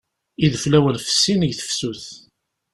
Ideflawen fessin deg tefsut.